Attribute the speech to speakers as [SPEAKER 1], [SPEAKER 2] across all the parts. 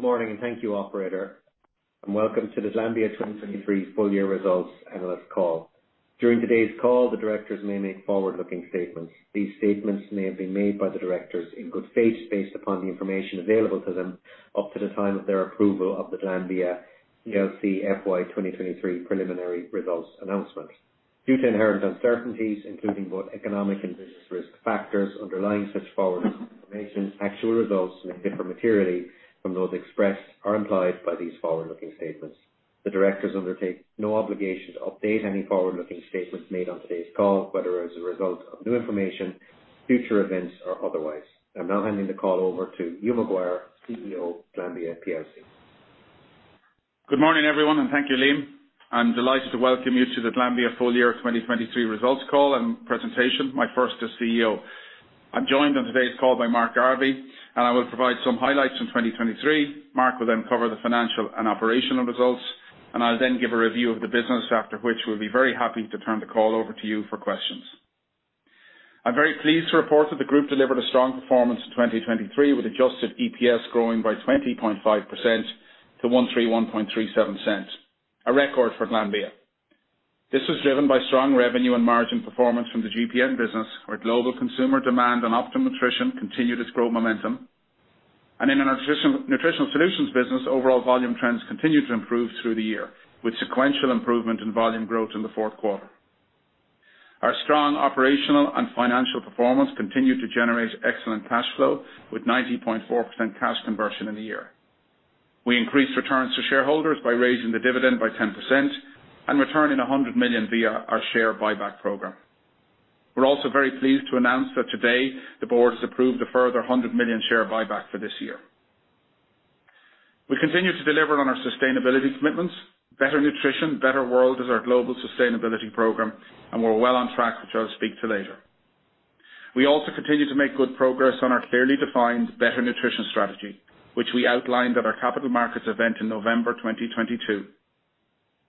[SPEAKER 1] Good morning, and thank you, Operator. Welcome to the Glanbia 2023 full-year results analyst call. During today's call, the directors may make forward-looking statements. These statements may have been made by the directors in good faith based upon the information available to them up to the time of their approval of the Glanbia plc FY 2023 preliminary results announcement. Due to inherent uncertainties, including both economic and business risk factors underlying such forward-looking information, actual results may differ materially from those expressed or implied by these forward-looking statements. The directors undertake no obligation to update any forward-looking statements made on today's call, whether as a result of new information, future events, or otherwise. I'm now handing the call over to Hugh McGuire, CEO Glanbia plc.
[SPEAKER 2] Good morning, everyone, and thank you, Liam. I'm delighted to welcome you to the Glanbia full-year 2023 results call and presentation, my first as CEO. I'm joined on today's call by Mark Garvey, and I will provide some highlights from 2023. Mark will then cover the financial and operational results, and I'll then give a review of the business, after which we'll be very happy to turn the call over to you for questions. I'm very pleased to report that the group delivered a strong performance in 2023, with Adjusted EPS growing by 20.5% to $1.3137, a record for Glanbia. This was driven by strong revenue and margin performance from the GPN business, where global consumer demand and Optimum Nutrition continued its growth momentum. In our Nutritional Solutions business, overall volume trends continued to improve through the year, with sequential improvement in volume growth in the fourth quarter. Our strong operational and financial performance continued to generate excellent cash flow, with 90.4% cash conversion in the year. We increased returns to shareholders by raising the dividend by 10% and returning 100 million via our share buyback program. We're also very pleased to announce that today the board has approved a further 100 million share buyback for this year. We continue to deliver on our sustainability commitments. Better Nutrition, Better World is our global sustainability program, and we're well on track, which I'll speak to later. We also continue to make good progress on our clearly defined better nutrition strategy, which we outlined at our capital markets event in November 2022.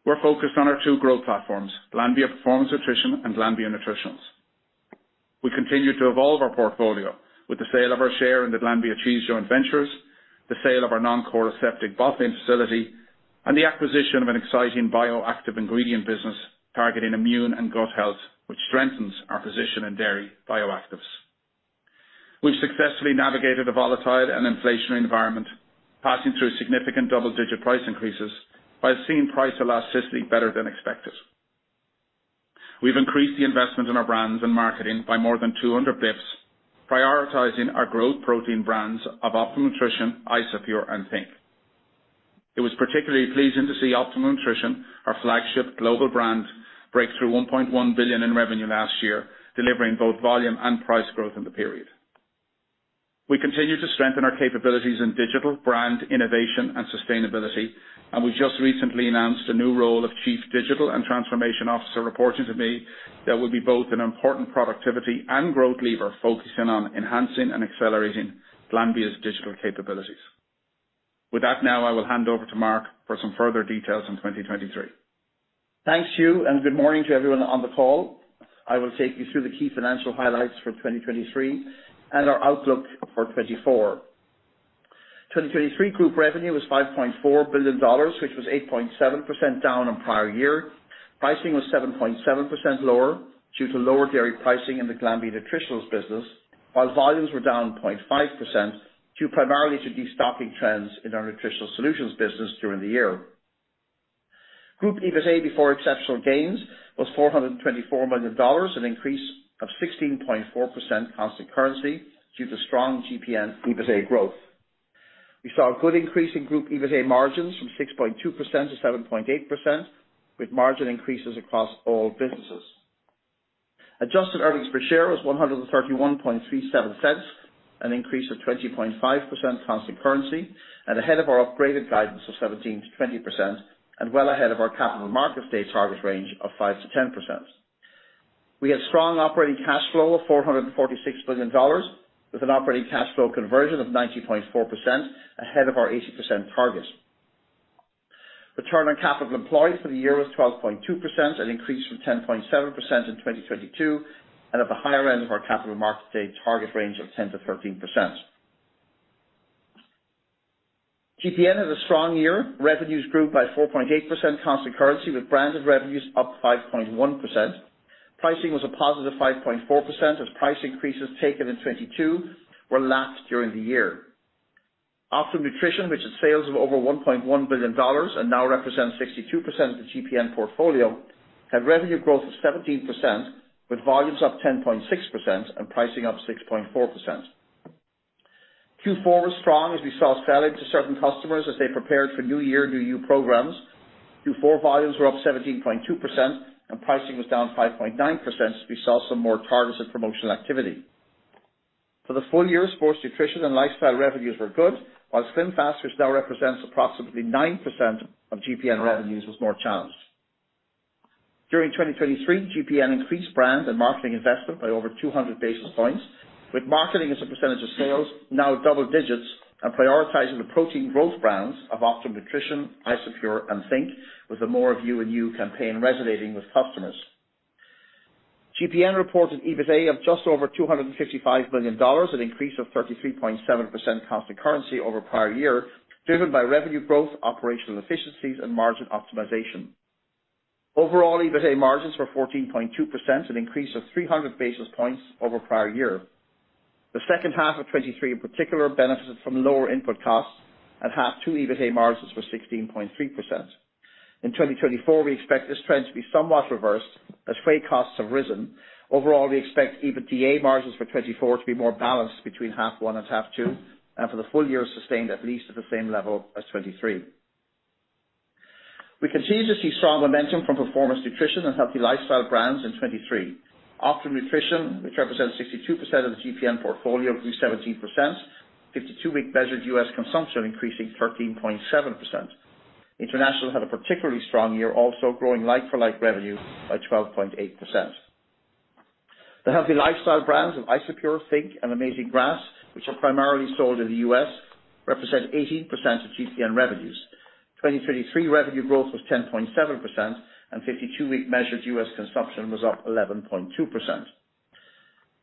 [SPEAKER 2] We're focused on our two growth platforms, Glanbia Performance Nutrition and Glanbia Nutritionals. We continue to evolve our portfolio with the sale of our share in the Glanbia Cheese Joint Ventures, the sale of our non-core aseptic beverage facility, and the acquisition of an exciting bioactive ingredient business targeting immune and gut health, which strengthens our position in dairy bioactives. We've successfully navigated a volatile and inflationary environment, passing through significant double-digit price increases while seeing price elasticity better than expected. We've increased the investment in our brands and marketing by more than 200 bps, prioritizing our growth protein brands of Optimum Nutrition, Isopure, and think!. It was particularly pleasing to see Optimum Nutrition, our flagship global brand, break through $1.1 billion in revenue last year, delivering both volume and price growth in the period. We continue to strengthen our capabilities in digital, brand innovation, and sustainability, and we've just recently announced a new role of Chief Digital and Transformation Officer reporting to me that will be both an important productivity and growth lever focusing on enhancing and accelerating Glanbia's digital capabilities. With that, now I will hand over to Mark for some further details on 2023.
[SPEAKER 3] Thanks, Hugh, and good morning to everyone on the call. I will take you through the key financial highlights for 2023 and our outlook for 2024. 2023 group revenue was $5.4 billion, which was 8.7% down on prior year. Pricing was 7.7% lower due to lower dairy pricing in the Glanbia Nutritionals business, while volumes were down 0.5% due primarily to destocking trends in our Nutritional Solutions business during the year. Group EBITDA before exceptional gains was $424 million, an increase of 16.4% constant currency due to strong GPN EBITDA growth. We saw a good increase in group EBITDA margins from 6.2%-7.8%, with margin increases across all businesses. Adjusted earnings per share was $1.3137, an increase of 20.5% constant currency, and ahead of our upgraded guidance of 17%-20% and well ahead of our Capital Markets Day target range of 5%-10%. We had strong operating cash flow of $446 million, with an operating cash flow conversion of 90.4% ahead of our 80% target. Return on capital employed for the year was 12.2%, an increase from 10.7% in 2022 and at the higher end of our Capital Markets Day target range of 10 to 13%. GPN had a strong year. Revenues grew by 4.8% constant currency, with branded revenues up 5.1%. Pricing was a positive 5.4%, as price increases taken in 2022 were lapped during the year. Optimum Nutrition, which had sales of over $1.1 billion and now represents 62% of the GPN portfolio, had revenue growth of 17%, with volumes up 10.6% and pricing up 6.4%. Q4 was strong, as we saw sales to certain customers as they prepared for New Year, New You programs. Q4 volumes were up 17.2%, and pricing was down 5.9% as we saw some more targeted promotional activity. For the full year, sports nutrition and lifestyle revenues were good, while SlimFast, which now represents approximately 9% of GPN revenues, was more challenged. During 2023, GPN increased brand and marketing investment by over 200 basis points, with marketing as a percentage of sales now double digits and prioritizing the protein growth brands of Optimum Nutrition, Isopure, and think!, with the New Year, New You campaign resonating with customers. GPN reported EBITDA of just over $255 million, an increase of 33.7% constant currency over prior year, driven by revenue growth, operational efficiencies, and margin optimization. Overall, EBITDA margins were 14.2%, an increase of 300 basis points over prior year. The second half of 2023, in particular, benefited from lower input costs and half two EBITDA margins were 16.3%. In 2024, we expect this trend to be somewhat reversed, as freight costs have risen. Overall, we expect EBITDA margins for 2024 to be more balanced between half one and half two and for the full year sustained at least at the same level as 2023. We continue to see strong momentum from performance nutrition and healthy lifestyle brands in 2023. Optimum Nutrition, which represents 62% of the GPN portfolio, grew 17%, 52-week measured U.S. consumption increasing 13.7%. International had a particularly strong year, also growing like-for-like revenue by 12.8%. The healthy lifestyle brands of Isopure, think!, and Amazing Grass, which are primarily sold in the U.S., represent 18% of GPN revenues. 2023 revenue growth was 10.7%, and 52-week measured U.S. consumption was up 11.2%.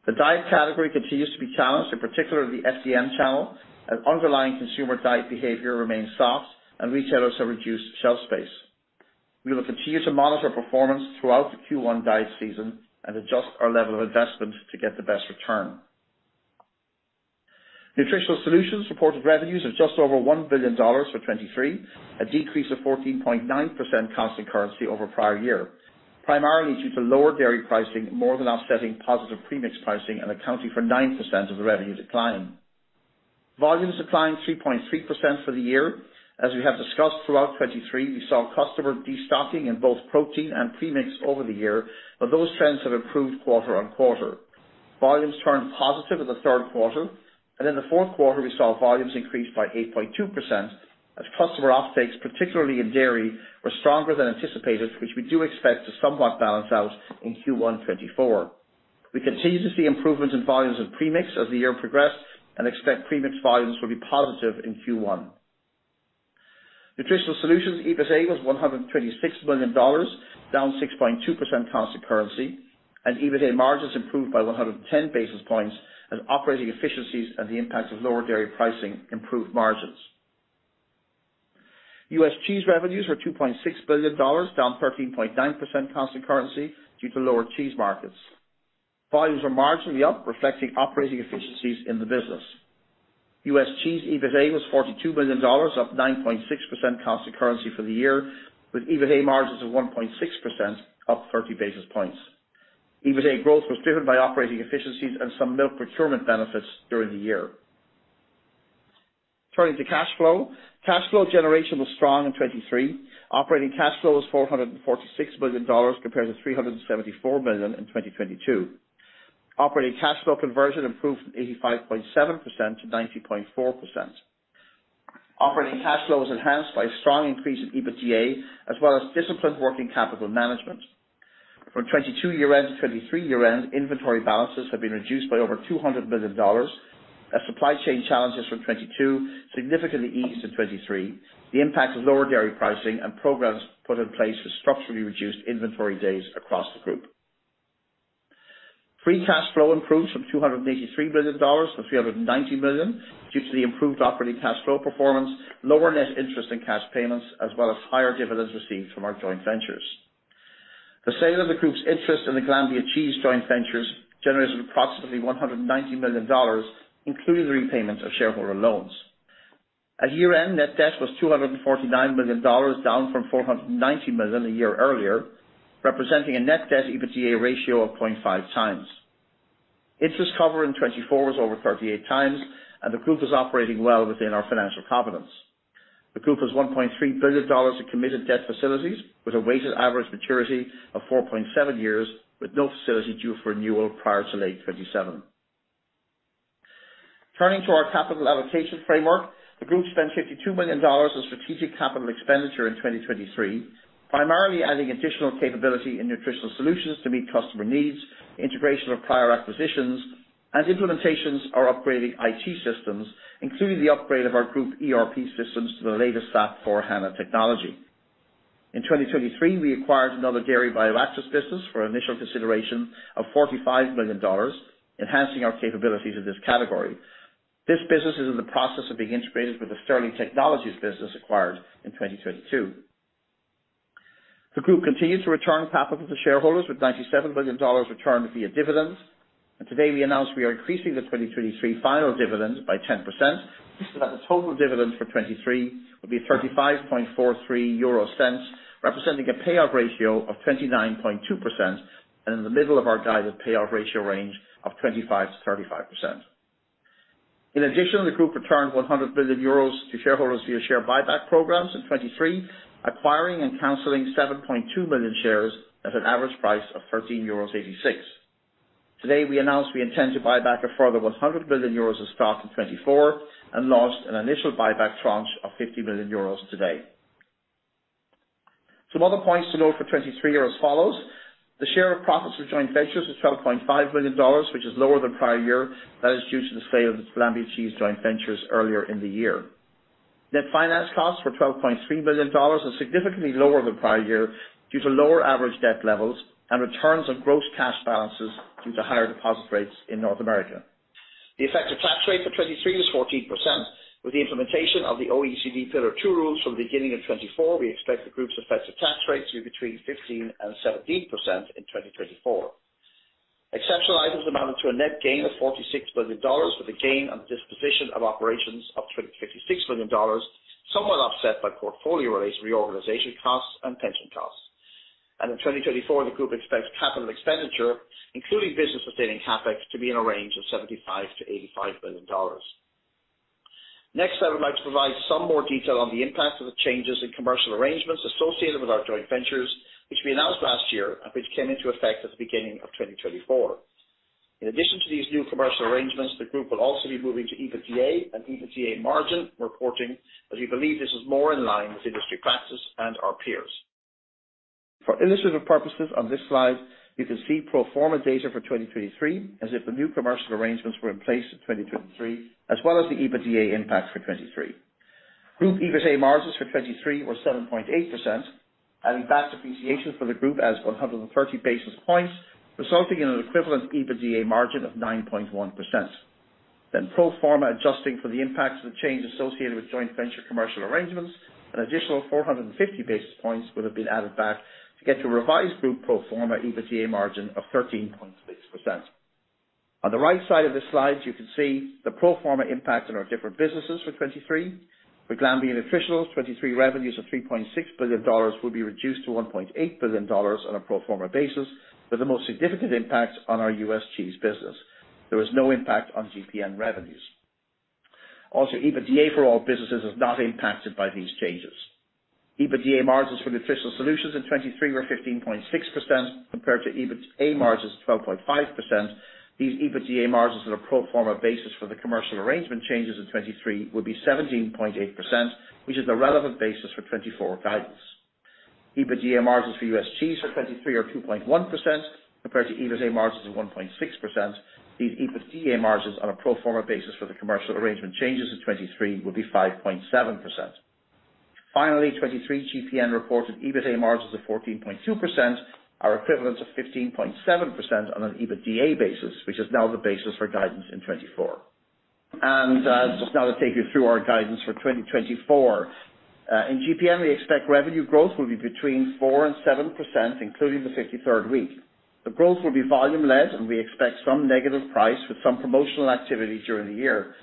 [SPEAKER 3] The diet category continues to be challenged, in particular the FDM channel, as underlying consumer diet behavior remains soft and retailers have reduced shelf space. We will continue to monitor performance throughout the Q1 diet season and adjust our level of investment to get the best return. Nutritional Solutions reported revenues of just over $1 billion for 2023, a decrease of 14.9% constant currency over prior year, primarily due to lower dairy pricing more than offsetting positive premix pricing and accounting for 9% of the revenue decline. Volumes declined 3.3% for the year. As we have discussed throughout 2023, we saw customer destocking in both protein and premix over the year, but those trends have improved quarter-on-quarter. Volumes turned positive in the third quarter, and in the fourth quarter we saw volumes increase by 8.2% as customer offtakes, particularly in dairy, were stronger than anticipated, which we do expect to somewhat balance out in Q1 2024. We continue to see improvements in volumes and premix as the year progressed and expect premix volumes will be positive in Q1. Nutritional Solutions EBITDA was $126 million, down 6.2% constant currency, and EBITDA margins improved by 110 basis points as operating efficiencies and the impact of lower dairy pricing improved margins. U.S. cheese revenues were $2.6 billion, down 13.9% constant currency due to lower cheese markets. Volumes were marginally up, reflecting operating efficiencies in the business. U.S. cheese EBITDA was $42 million, up 9.6% constant currency for the year, with EBITDA margins of 1.6%, up 30 basis points. EBITDA growth was driven by operating efficiencies and some milk procurement benefits during the year. Turning to cash flow, cash flow generation was strong in 2023. Operating cash flow was $446 million compared to $374 million in 2022. Operating cash flow conversion improved from 85.7%-90.4%. Operating cash flow was enhanced by a strong increase in EBITDA as well as disciplined working capital management. From 2022 year-end to 2023 year-end, inventory balances have been reduced by over $200 million, as supply chain challenges from 2022 significantly eased in 2023. The impact of lower dairy pricing and programs put in place has structurally reduced inventory days across the group. Free cash flow improved from $283 million to $390 million due to the improved operating cash flow performance, lower net interest in cash payments, as well as higher dividends received from our joint ventures. The sale of the group's interest in the Glanbia Cheese Joint Ventures generated approximately $190 million, including the repayment of shareholder loans. At year-end, net debt was $249 million, down from $490 million a year earlier, representing a net debt/EBITDA ratio of 0.5 times. Interest cover in 2024 was over 38 times, and the group is operating well within our financial covenants. The group has $1.3 billion in committed debt facilities, with a weighted average maturity of 4.7 years, with no facility due for renewal prior to late 2027. Turning to our capital allocation framework, the group spent $52 million in strategic capital expenditure in 2023, primarily adding additional capability in Nutritional Solutions to meet customer needs, integration of prior acquisitions, and implementations or upgrading IT systems, including the upgrade of our group ERP systems to the latest SAP S/4HANA technology. In 2023, we acquired another dairy bioactive business for initial consideration of $45 million, enhancing our capabilities in this category. This business is in the process of being integrated with the Sterling Technologies business acquired in 2022. The group continued to return capital to shareholders with $97 million returned via dividends, and today we announced we are increasing the 2023 final dividend by 10% so that the total dividend for 2023 would be 0.3543, representing a payout ratio of 29.2% and in the middle of our guided payout ratio range of 25%-35%. In addition, the group returned €100 million to shareholders via share buyback programs in 2023, acquiring and cancelling 7.2 million shares at an average price of €13.86. Today we announced we intend to buy back a further €100 million of stock in 2024 and launched an initial buyback tranche of €50 million today. Some other points to note for 2023 are as follows. The share of profits of joint ventures is $12.5 million, which is lower than prior year, which is due to the sale of the Glanbia Cheese Joint Ventures earlier in the year. Net finance costs were $12.3 million and significantly lower than prior year due to lower average debt levels and returns of gross cash balances due to higher deposit rates in North America. The effective tax rate for 2023 was 14%. With the implementation of the OECD Pillar Two rules from the beginning of 2024, we expect the group's effective tax rates to be between 15% and 17% in 2024. Exceptional items amounted to a net gain of $46 million, with a gain on the disposition of operations of $56 million, somewhat offset by portfolio-related reorganization costs and pension costs. In 2024, the group expects capital expenditure, including business sustaining CapEx, to be in a range of $75-$85 million. Next, I would like to provide some more detail on the impact of the changes in commercial arrangements associated with our joint ventures, which we announced last year and which came into effect at the beginning of 2024. In addition to these new commercial arrangements, the group will also be moving to EBITDA and EBITDA margin, reporting as we believe this is more in line with industry practice and our peers. For illustrative purposes, on this slide you can see pro forma data for 2023 as if the new commercial arrangements were in place in 2023, as well as the EBITDA impact for 2023. Group EBITDA margins for 2023 were 7.8%, adding back depreciation for the group as 130 basis points, resulting in an equivalent EBITDA margin of 9.1%. Then pro forma adjusting for the impact of the change associated with joint venture commercial arrangements, an additional 450 basis points would have been added back to get to a revised group pro forma EBITDA margin of 13.6%. On the right side of this slide you can see the pro forma impact on our different businesses for 2023. For Glanbia Nutritionals, 2023 revenues of $3.6 billion would be reduced to $1.8 billion on a pro forma basis, with the most significant impact on our U.S. cheese business. There was no impact on GPN revenues. Also, EBITDA for all businesses is not impacted by these changes. EBITDA margins for Nutritional Solutions in 2023 were 15.6% compared to EBITDA margins of 12.5%. These EBITDA margins on a pro forma basis for the commercial arrangement changes in 2023 would be 17.8%, which is the relevant basis for 2024 guidance. EBITDA margins for U.S. cheese for 2023 are 2.1% compared to EBITDA margins of 1.6%. These EBITDA margins on a pro forma basis for the commercial arrangement changes in 2023 would be 5.7%. Finally, 2023 GPN reported EBITDA margins of 14.2%, our equivalent of 15.7% on an EBITDA basis, which is now the basis for guidance in 2024. And just now to take you through our guidance for 2024. In GPN we expect revenue growth will be between 4%-7%, including the 53rd week. The growth will be volume-led, and we expect some negative price with some promotional activity during the year.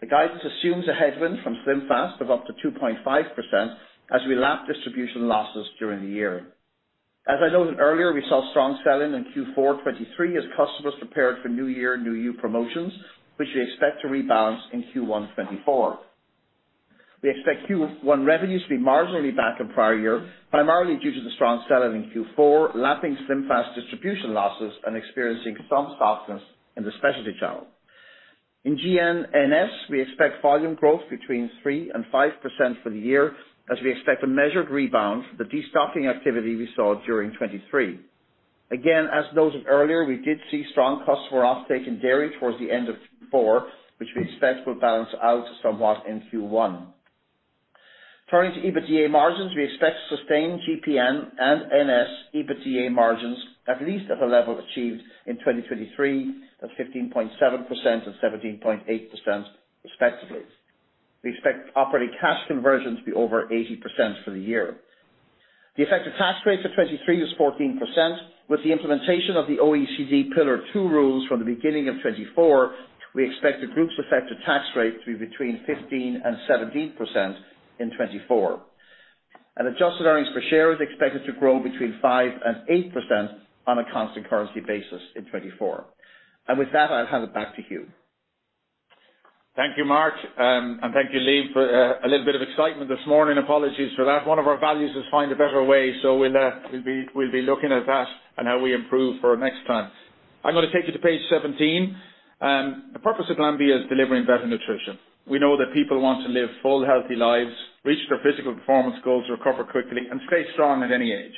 [SPEAKER 3] The guidance assumes a headwind from SlimFast of up to 2.5% as we lap distribution losses during the year. As I noted earlier, we saw strong selling in Q4 2023 as customers prepared for New Year, New You promotions, which we expect to rebalance in Q1 2024. We expect Q1 revenues to be marginally back on prior year, primarily due to the strong selling in Q4, lapping SlimFast distribution losses, and experiencing some softness in the specialty channel. In GN NS we expect volume growth between 3%-5% for the year as we expect a measured rebound from the destocking activity we saw during 2023. Again, as noted earlier, we did see strong customer offtake in dairy towards the end of Q4, which we expect will balance out somewhat in Q1. Turning to EBITDA margins, we expect to sustain GPN and NS EBITDA margins at least at the level achieved in 2023 at 15.7% and 17.8%, respectively. We expect operating cash conversions to be over 80% for the year. The effective tax rate for 2023 was 14%. With the implementation of the OECD Pillar Two rules from the beginning of 2024, we expect the group's effective tax rate to be between 15%-17% in 2024. And adjusted earnings per share is expected to grow between 5%-8% on a constant currency basis in 2024. And with that, I'll hand it back to Hugh.
[SPEAKER 2] Thank you, Mark. Thank you, Liam, for a little bit of excitement this morning. Apologies for that. One of our values is find a better way, so we'll be looking at that and how we improve for next time. I'm going to take you to page 17. The purpose of Glanbia is delivering better nutrition. We know that people want to live full, healthy lives, reach their physical performance goals, recover quickly, and stay strong at any age.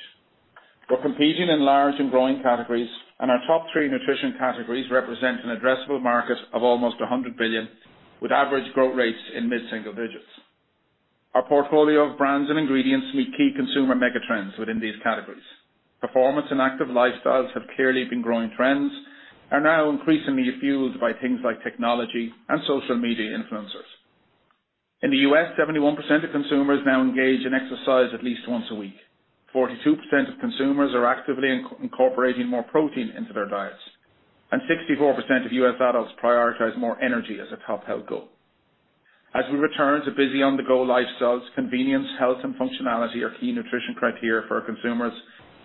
[SPEAKER 2] We're competing in large and growing categories, and our top three nutrition categories represent an addressable market of almost $100 billion, with average growth rates in mid-single digits. Our portfolio of brands and ingredients meet key consumer megatrends within these categories. Performance and active lifestyles have clearly been growing trends, are now increasingly fuelled by things like technology and social media influencers. In the U.S., 71% of consumers now engage in exercise at least once a week. 42% of consumers are actively incorporating more protein into their diets, and 64% of U.S. adults prioritize more energy as a top health goal. As we return to busy on-the-go lifestyles, convenience, health, and functionality are key nutrition criteria for our consumers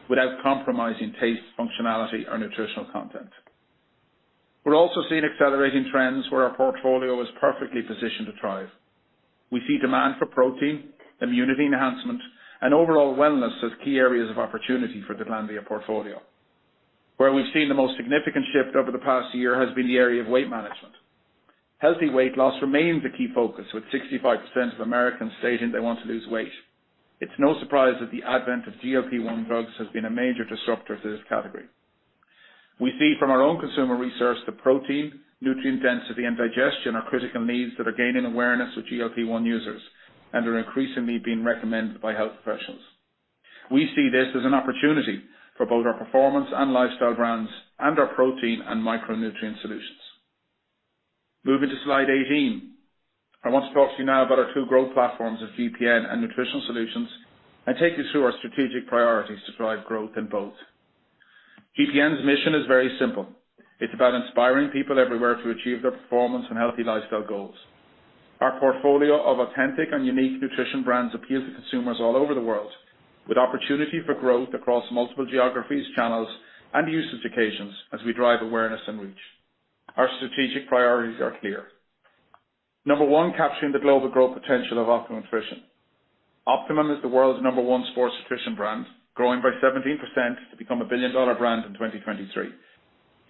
[SPEAKER 2] without compromising taste, functionality, or nutritional content. We're also seeing accelerating trends where our portfolio is perfectly positioned to thrive. We see demand for protein, immunity enhancement, and overall wellness as key areas of opportunity for the Glanbia portfolio. Where we've seen the most significant shift over the past year has been the area of weight management. Healthy weight loss remains a key focus, with 65% of Americans stating they want to lose weight. It's no surprise that the advent of GLP-1 drugs has been a major disruptor to this category. We see from our own consumer research that protein, nutrient density, and digestion are critical needs that are gaining awareness with GLP-1 users and are increasingly being recommended by health professionals. We see this as an opportunity for both our performance and lifestyle brands and our protein and micronutrient solutions. Moving to slide 18, I want to talk to you now about our two growth platforms of GPN and Nutritional Solutions and take you through our strategic priorities to drive growth in both. GPN's mission is very simple. It's about inspiring people everywhere to achieve their performance and healthy lifestyle goals. Our portfolio of authentic and unique nutrition brands appeals to consumers all over the world, with opportunity for growth across multiple geographies, channels, and usage occasions as we drive awareness and reach. Our strategic priorities are clear. Number one, capturing the global growth potential of Optimum Nutrition. Optimum is the world's number one sports nutrition brand, growing by 17% to become a billion-dollar brand in 2023.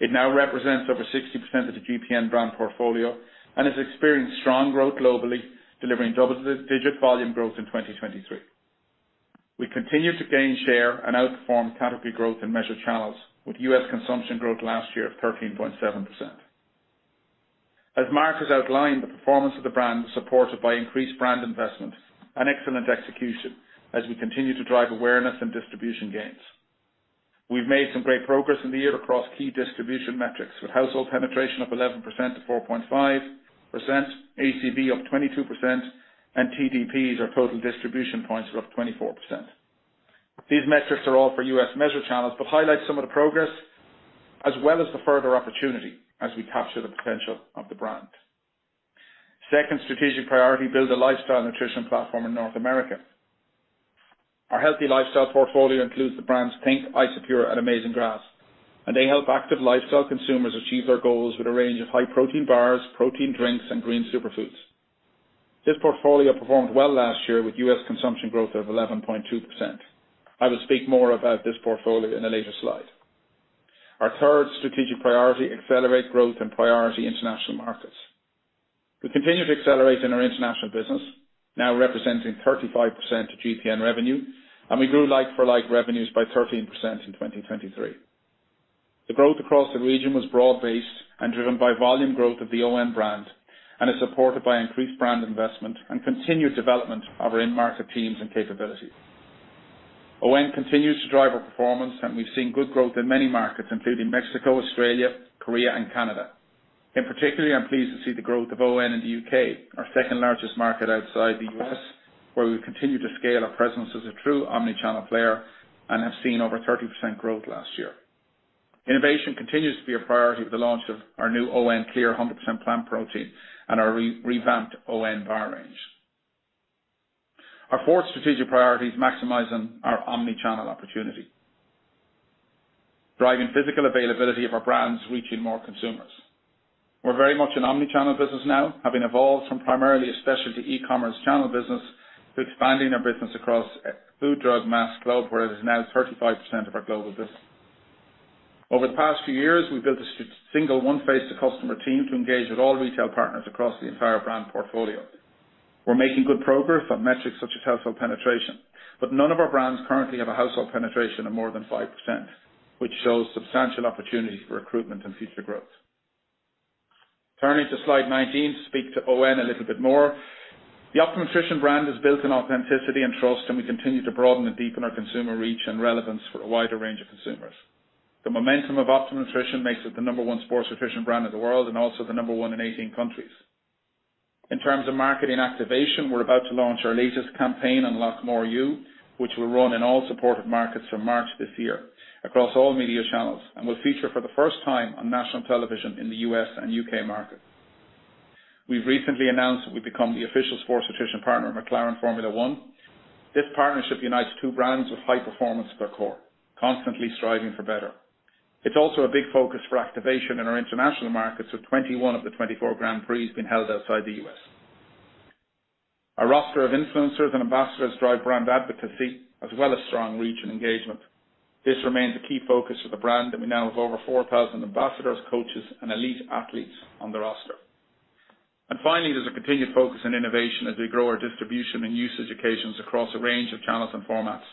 [SPEAKER 2] It now represents over 60% of the GPN brand portfolio and has experienced strong growth globally, delivering double-digit volume growth in 2023. We continue to gain share and outperform category growth in measured channels, with U.S. consumption growth last year of 13.7%. As Mark has outlined, the performance of the brand was supported by increased brand investment and excellent execution as we continue to drive awareness and distribution gains. We've made some great progress in the year across key distribution metrics, with household penetration of 11% to 4.5%, ACV up 22%, and TDPs, or total distribution points, were up 24%. These metrics are all for U.S. measured channels but highlight some of the progress as well as the further opportunity as we capture the potential of the brand. Second strategic priority, build a lifestyle nutrition platform in North America. Our healthy lifestyle portfolio includes the brands think!, Isopure, and Amazing Grass, and they help active lifestyle consumers achieve their goals with a range of high-protein bars, protein drinks, and green superfoods. This portfolio performed well last year with U.S. consumption growth of 11.2%. I will speak more about this portfolio in a later slide. Our third strategic priority, accelerate growth and priority international markets. We continue to accelerate in our international business, now representing 35% of GPN revenue, and we grew like-for-like revenues by 13% in 2023. The growth across the region was broad-based and driven by volume growth of the ON brand and is supported by increased brand investment and continued development of our in-market teams and capabilities. ON continues to drive our performance, and we've seen good growth in many markets, including Mexico, Australia, Korea, and Canada. In particular, I'm pleased to see the growth of ON in the U.K., our second-largest market outside the U.S., where we continue to scale our presence as a true omnichannel player and have seen over 30% growth last year. Innovation continues to be a priority with the launch of our new ON Clear 100% Plant Protein and our revamped ON bar range. Our fourth strategic priority is maximizing our omnichannel opportunity, driving physical availability of our brands reaching more consumers. We're very much an omnichannel business now, having evolved from primarily a specialty e-commerce channel business to expanding our business across Food, Drug, Mass, Club, where it is now 35% of our global business. Over the past few years, we've built a single, one-faced-to-customer team to engage with all retail partners across the entire brand portfolio. We're making good progress on metrics such as household penetration, but none of our brands currently have a household penetration of more than 5%, which shows substantial opportunity for recruitment and future growth. Turning to slide 19 to speak to ON a little bit more. The Optimum Nutrition brand is built on authenticity and trust, and we continue to broaden and deepen our consumer reach and relevance for a wider range of consumers. The momentum of Optimum Nutrition makes it the number one sports nutrition brand in the world and also the number one in 18 countries. In terms of marketing activation, we're about to launch our latest campaign, Unlock More You, which will run in all supported markets from March this year across all media channels and will feature for the first time on national television in the U.S. and U.K. markets. We've recently announced that we've become the official sports nutrition partner of McLaren Formula One. This partnership unites two brands with high performance at their core, constantly striving for better. It's also a big focus for activation in our international markets, with 21 of the 24 Grand Prix being held outside the U.S.. Our roster of influencers and ambassadors drive brand advocacy as well as strong reach and engagement. This remains a key focus for the brand, and we now have over 4,000 ambassadors, coaches, and elite athletes on the roster. And finally, there's a continued focus on innovation as we grow our distribution and usage occasions across a range of channels and formats.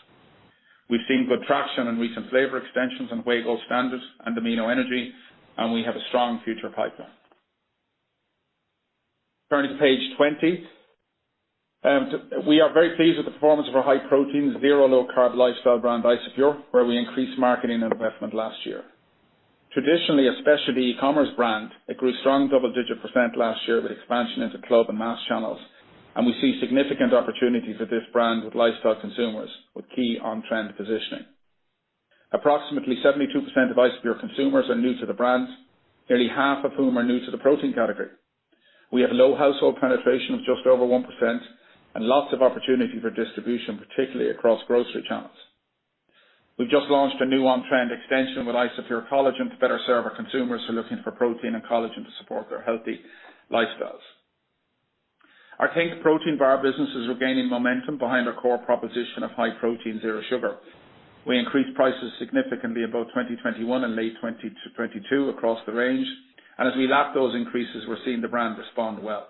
[SPEAKER 2] We've seen good traction on recent flavor extensions on Gold Standard and Amino Energy, and we have a strong future pipeline. Turning to page 20. We are very pleased with the performance of our high-protein, zero-low-carb lifestyle brand, Isopure, where we increased marketing and investment last year. Traditionally, a specialty e-commerce brand, it grew strong double-digit % last year with expansion into club and mass channels, and we see significant opportunity for this brand with lifestyle consumers, with key on-trend positioning. Approximately 72% of Isopure consumers are new to the brand, nearly half of whom are new to the protein category. We have low household penetration of just over 1% and lots of opportunity for distribution, particularly across grocery channels. We've just launched a new on-trend extension with Isopure Collagen to better serve our consumers who are looking for protein and collagen to support their healthy lifestyles. Our think! protein bar business is regaining momentum behind our core proposition of high-protein, zero sugar. We increased prices significantly in both 2021 and late 2022 across the range, and as we lap those increases, we're seeing the brand respond well.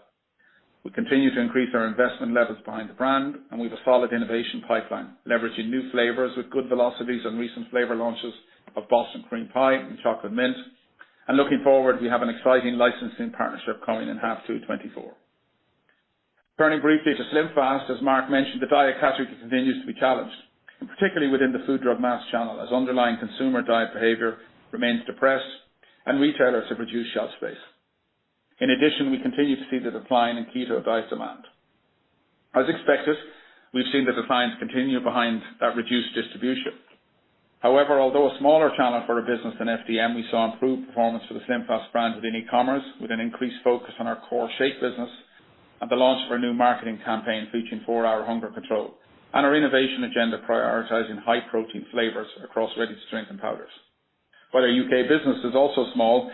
[SPEAKER 2] We continue to increase our investment levels behind the brand, and we have a solid innovation pipeline leveraging new flavors with good velocities on recent flavor launches of Boston Cream Pie and Chocolate Mint. Looking forward, we have an exciting licensing partnership coming in half two 2024. Turning briefly to SlimFast, as Mark mentioned, the diet category continues to be challenged, particularly within the food, drug, mass channel, as underlying consumer diet behavior remains depressed and retailers have reduced shelf space. In addition, we continue to see the decline in keto diet demand. As expected, we've seen the declines continue behind that reduced distribution. However, although a smaller channel for a business than FDM, we saw improved performance for the SlimFast brand within e-commerce, with an increased focus on our core shake business and the launch of our new marketing campaign featuring four-hour hunger control and our innovation agenda prioritizing high-protein flavors across ready-to-drink and powders. While our U.K. business is also small,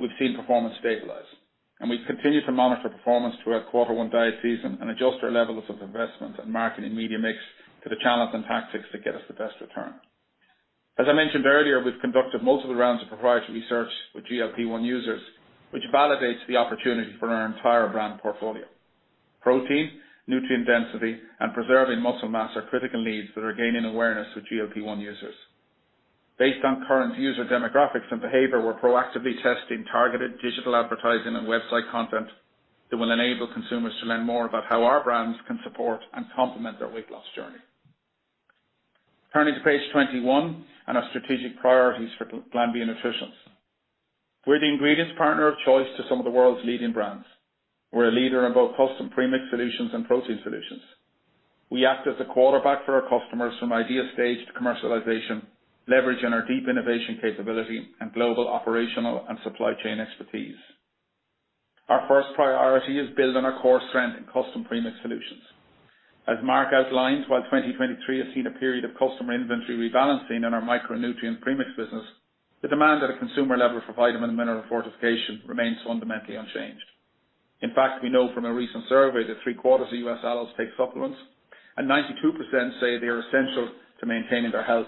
[SPEAKER 2] we've seen performance stabilize, and we continue to monitor performance throughout quarter one diet season and adjust our levels of investment and marketing media mix to the channels and tactics to get us the best return. As I mentioned earlier, we've conducted multiple rounds of proprietary research with GLP-1 users, which validates the opportunity for our entire brand portfolio. Protein, nutrient density, and preserving muscle mass are critical needs that are gaining awareness with GLP-1 users. Based on current user demographics and behavior, we're proactively testing targeted digital advertising and website content that will enable consumers to learn more about how our brands can support and complement their weight loss journey. Turning to page 21 and our strategic priorities for Glanbia Nutritionals. We're the ingredients partner of choice to some of the world's leading brands. We're a leader in both custom premix solutions and protein solutions. We act as a quarterback for our customers from idea stage to commercialization, leveraging our deep innovation capability and global operational and supply chain expertise. Our first priority is building our core strength in custom premix solutions. As Mark outlined, while 2023 has seen a period of customer inventory rebalancing in our micronutrient premix business, the demand at a consumer level for vitamin and mineral fortification remains fundamentally unchanged. In fact, we know from a recent survey that three-quarters of U.S. adults take supplements, and 92% say they are essential to maintaining their health,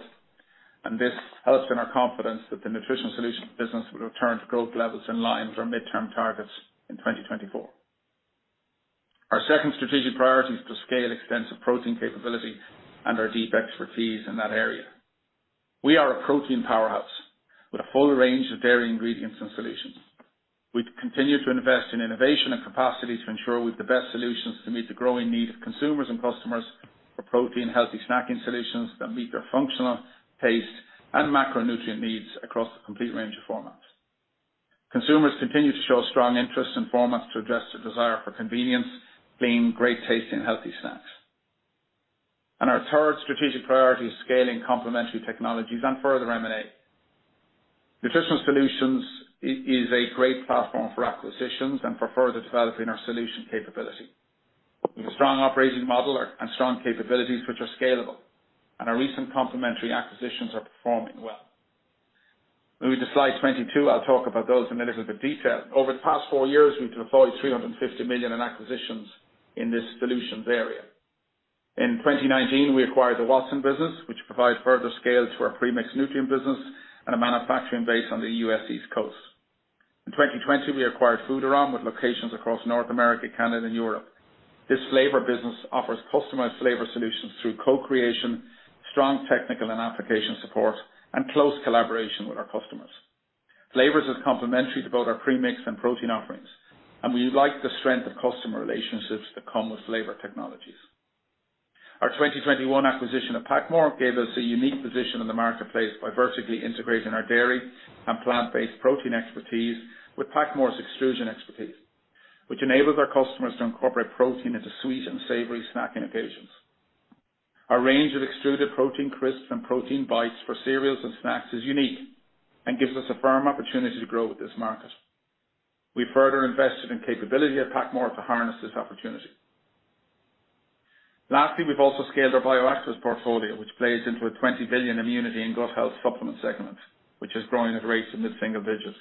[SPEAKER 2] and this helps in our confidence that the Nutritional Solutions business will return to growth levels in line with our mid-term targets in 2024. Our second strategic priority is to scale extensive protein capability and our deep expertise in that area. We are a protein powerhouse with a full range of dairy ingredients and solutions. We continue to invest in innovation and capacity to ensure we have the best solutions to meet the growing need of consumers and customers for protein, healthy snacking solutions that meet their functional taste and macronutrient needs across the complete range of formats. Consumers continue to show strong interest in formats to address their desire for convenience, clean, great taste, and healthy snacks. Our third strategic priority is scaling complementary technologies and further M&A. Nutritional Solutions is a great platform for acquisitions and for further developing our solution capability. We have a strong operating model and strong capabilities which are scalable, and our recent complementary acquisitions are performing well. Moving to slide 22, I'll talk about those in a little bit of detail. Over the past four years, we've deployed 350 million in acquisitions in this solutions area. In 2019, we acquired the Watson business, which provided further scale to our premix nutrient business and a manufacturing base on the U.S. East Coast. In 2020, we acquired Foodarom with locations across North America, Canada, and Europe. This flavor business offers customized flavor solutions through co-creation, strong technical and application support, and close collaboration with our customers. Flavors are complementary to both our premix and protein offerings, and we like the strength of customer relationships that come with flavor technologies. Our 2021 acquisition of PacMoore gave us a unique position in the marketplace by vertically integrating our dairy and plant-based protein expertise with PacMoore's extrusion expertise, which enables our customers to incorporate protein into sweet and savory snacking occasions. Our range of extruded protein crisps and protein bites for cereals and snacks is unique and gives us a firm opportunity to grow with this market. We've further invested in capability at PacMoore to harness this opportunity. Lastly, we've also scaled our bioactives portfolio, which plays into a $20 billion immunity and gut health supplement segment, which is growing at rates of mid-single digit.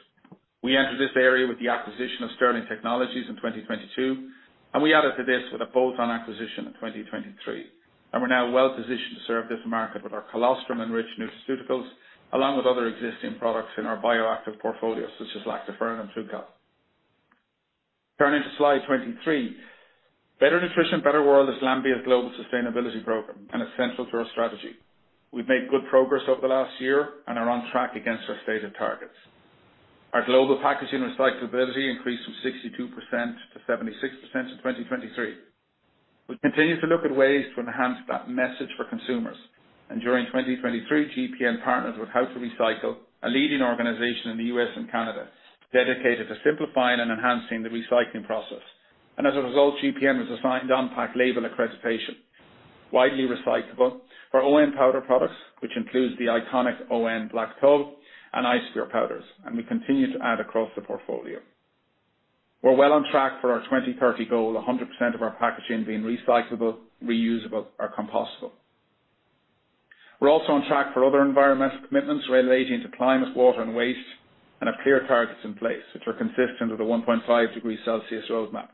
[SPEAKER 2] We entered this area with the acquisition of Sterling Technologies in 2022, and we added to this with a bolt-on acquisition in 2023, and we're now well-positioned to serve this market with our colostrum-enriched nutraceuticals, along with other existing products in our bioactive portfolio such as lactoferrin and TruCal. Turning to Slide 23. Better Nutrition, Better World is Glanbia's global sustainability program, and it's central to our strategy. We've made good progress over the last year and are on track against our stated targets. Our global packaging recyclability increased from 62% to 76% in 2023. We continue to look at ways to enhance that message for consumers, and during 2023, GPN partnered with How2Recycle, a leading organization in the U.S. and Canada, dedicated to simplifying and enhancing the recycling process. As a result, GPN was assigned On-Pack Label accreditation, widely recyclable, for ON powder products, which includes the iconic ON Black Tub and Isopure powders, and we continue to add across the portfolio. We're well on track for our 2030 goal, 100% of our packaging being recyclable, reusable, or compostable. We're also on track for other environmental commitments relating to climate, water, and waste, and have clear targets in place, which are consistent with the 1.5 degree Celsius roadmap.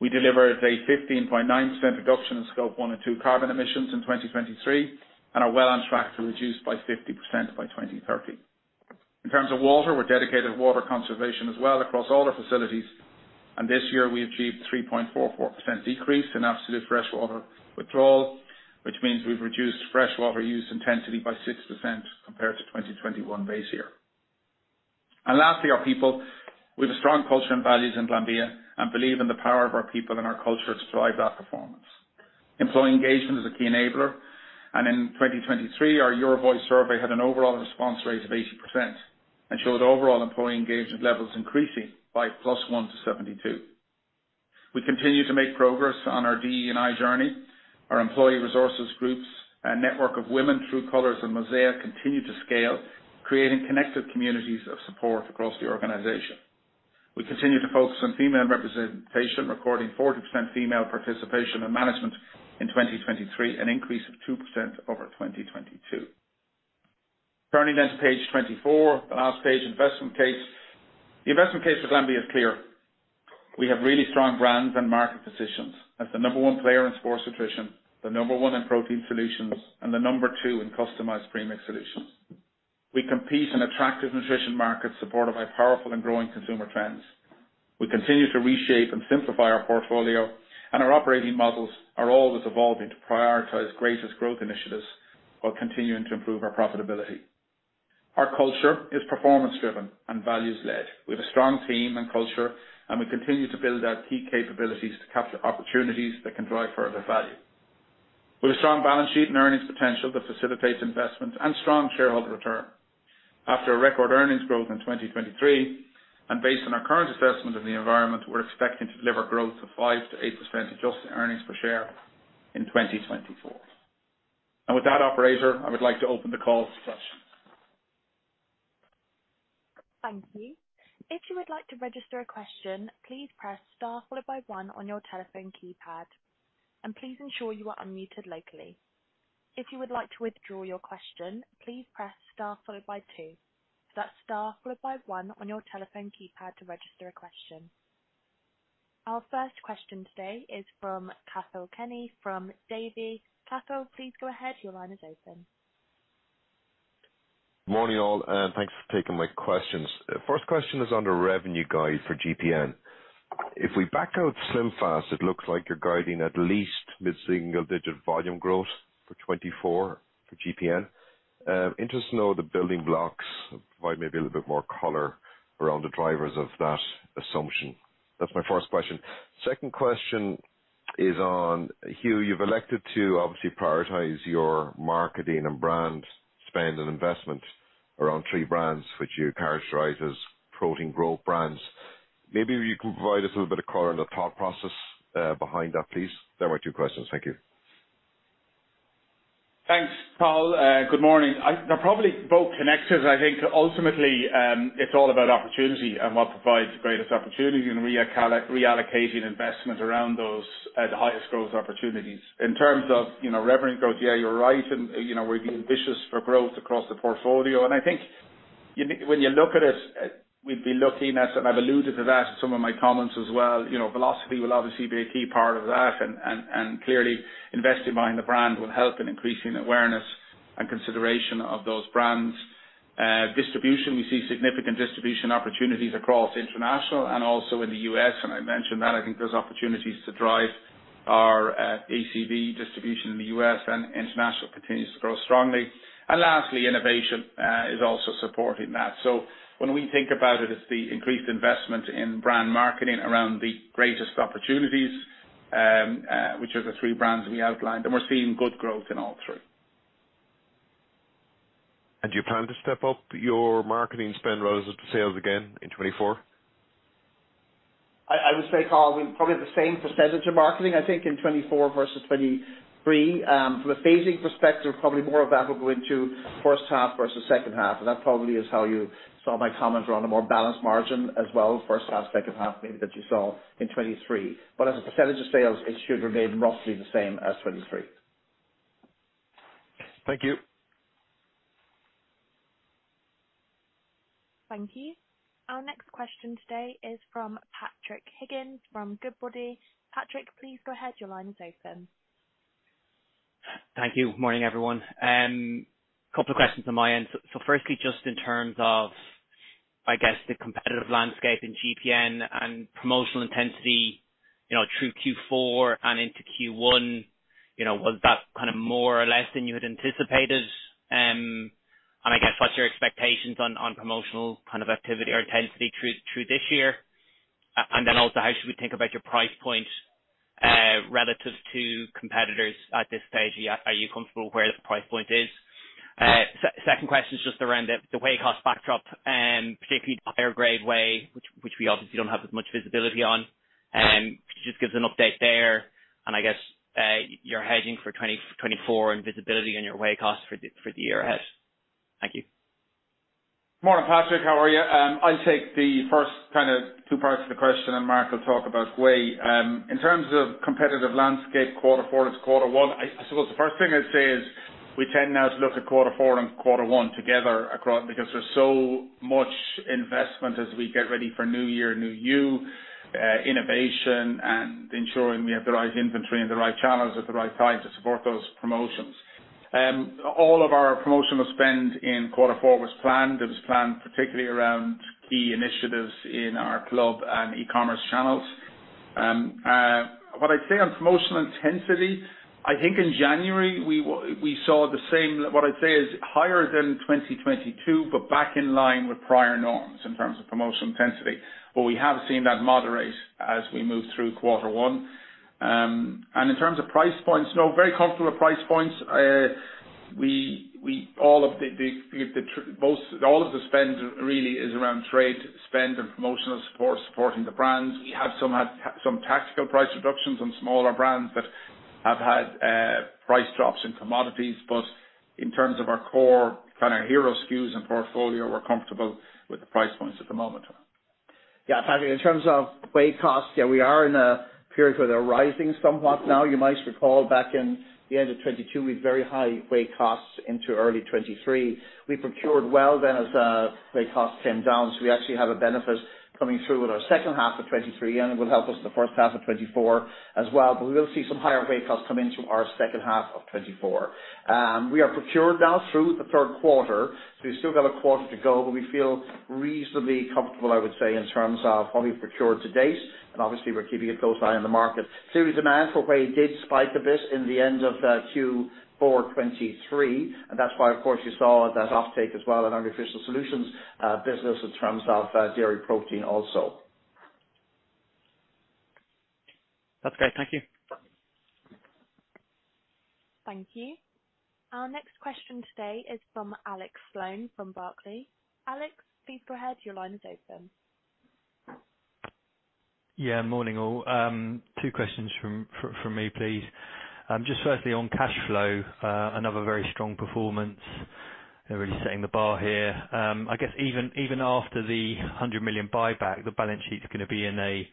[SPEAKER 2] We delivered a 15.9% reduction in Scope One and Two carbon emissions in 2023 and are well on track to reduce by 50% by 2030. In terms of water, we're dedicated to water conservation as well across all our facilities, and this year we achieved a 3.44% decrease in absolute freshwater withdrawal, which means we've reduced freshwater use intensity by 6% compared to 2021 base year. And lastly, our people. We have a strong culture and values in Glanbia and believe in the power of our people and our culture to drive that performance. Employee engagement is a key enabler, and in 2023, our Your Voice survey had an overall response rate of 80% and showed overall employee engagement levels increasing by +1 to 72. We continue to make progress on our DE&I journey. Our employee resources groups and Network of Women, True Colors and Mosaic continue to scale, creating connected communities of support across the organization. We continue to focus on female representation, recording 40% female participation in management in 2023, an increase of 2% over 2022. Turning then to page 24, the last page, investment case. The investment case for Glanbia is clear. We have really strong brands and market positions as the number one player in sports nutrition, the number one in protein solutions, and the number two in customized premix solutions. We compete in attractive nutrition markets supported by powerful and growing consumer trends. We continue to reshape and simplify our portfolio, and our operating models are always evolving to prioritise greatest growth initiatives while continuing to improve our profitability. Our culture is performance-driven and values-led. We have a strong team and culture, and we continue to build out key capabilities to capture opportunities that can drive further value. We have a strong balance sheet and earnings potential that facilitates investment and strong shareholder return. After a record earnings growth in 2023 and based on our current assessment of the environment, we're expecting to deliver growth of 5%-8% adjusted earnings per share in 2024. With that, operator, I would like to open the call for questions.
[SPEAKER 1] Thank you. If you would like to register a question, please press star followed by one on your telephone keypad, and please ensure you are unmuted locally. If you would like to withdraw your question, please press star followed by two. So that's star followed by one on your telephone keypad to register a question. Our first question today is from Cathal Kenney from Davy. Cathal, please go ahead. Your line is open.
[SPEAKER 4] Good morning all, and thanks for taking my questions. First question is under revenue guide for GPN. If we back out SlimFast, it looks like you're guiding at least mid-single digit volume growth for 2024 for GPN. Interesting to know the building blocks provide maybe a little bit more color around the drivers of that assumption. That's my first question. Second question is on Hugh. You've elected to obviously prioritize your marketing and brand spend and investment around three brands, which you characterize as protein growth brands. Maybe you can provide us a little bit of color on the thought process behind that, please. There are my two questions. Thank you.
[SPEAKER 2] Thanks, Cathal. Good morning. They're probably both connected. I think ultimately, it's all about opportunity and what provides the greatest opportunity and reallocating investment around those at the highest growth opportunities. In terms of revenue growth, yeah, you're right. We're being ambitious for growth across the portfolio. I think when you look at it, we'd be looking at and I've alluded to that in some of my comments as well. Velocity will obviously be a key part of that, and clearly investing behind the brand will help in increasing awareness and consideration of those brands. Distribution. We see significant distribution opportunities across international and also in the U.S.. I mentioned that. I think there's opportunities to drive our ACV distribution in the U.S., and international continues to grow strongly. Lastly, innovation is also supporting that. So when we think about it, it's the increased investment in brand marketing around the greatest opportunities, which are the three brands we outlined, and we're seeing good growth in all three.
[SPEAKER 4] Do you plan to step up your marketing spend relative to sales again in 2024?
[SPEAKER 2] I would say, Cathal, probably the same percentage of marketing, I think, in 2024 versus 2023. From a phasing perspective, probably more of that will go into first half versus second half. That probably is how you saw my comments around a more balanced margin as well, first half, second half, maybe that you saw in 2023. As a percentage of sales, it should remain roughly the same as 2023.
[SPEAKER 4] Thank you.
[SPEAKER 1] Thank you. Our next question today is from Patrick Higgins from Goodbody. Patrick, please go ahead. Your line is open.
[SPEAKER 5] Thank you. Morning, everyone. A couple of questions on my end. So firstly, just in terms of, I guess, the competitive landscape in GPN and promotional intensity through Q4 and into Q1, was that kind of more or less than you had anticipated? And I guess what's your expectations on promotional kind of activity or intensity through this year? And then also, how should we think about your price point relative to competitors at this stage? Are you comfortable where the price point is? Second question is just around the whey cost backdrop, particularly the higher-grade whey, which we obviously don't have as much visibility on. Could you just give us an update there? And I guess you're hedging for 2024 and visibility on your whey costs for the year ahead. Thank you.
[SPEAKER 2] Morning, Patrick. How are you? I'll take the first kind of two parts of the question, and Mark will talk about way. In terms of competitive landscape quarter four to quarter one, I suppose the first thing I'd say is we tend now to look at quarter four and quarter one together because there's so much investment as we get ready for New Year, New You, innovation, and ensuring we have the right inventory and the right channels at the right time to support those promotions. All of our promotional spend in quarter four was planned. It was planned particularly around key initiatives in our club and e-commerce channels. What I'd say on promotional intensity, I think in January, we saw the same what I'd say is higher than 2022 but back in line with prior norms in terms of promotional intensity. We have seen that moderate as we move through quarter one. In terms of price points, no, very comfortable with price points. All of the spend really is around trade spend and promotional support supporting the brands. We have some tactical price reductions on smaller brands that have had price drops in commodities. In terms of our core kind of hero SKUs and portfolio, we're comfortable with the price points at the moment.
[SPEAKER 3] Yeah, Patrick. In terms of whey costs, yeah, we are in a period where they're rising somewhat now. You might recall back in the end of 2022, we had very high whey costs into early 2023. We procured well then as whey costs came down. So we actually have a benefit coming through with our second half of 2023, and it will help us in the first half of 2024 as well. But we will see some higher whey costs come into our second half of 2024. We are procured now through the third quarter. So we've still got a quarter to go, but we feel reasonably comfortable, I would say, in terms of what we've procured to date. And obviously, we're keeping a close eye on the market. Clearly, demand for whey did spike a bit in the end of Q4 2023, and that's why, of course, you saw that offtake as well in our Nutritional Solutions business in terms of dairy protein also.
[SPEAKER 5] That's great. Thank you.
[SPEAKER 1] Thank you. Our next question today is from Alex Sloane from Barclays. Alex, please go ahead. Your line is open.
[SPEAKER 6] Yeah, morning all. Two questions from me, please. Just firstly, on cash flow, another very strong performance. They're really setting the bar here. I guess even after the 100 million buyback, the balance sheet's going to be in a